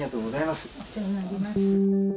お世話になります。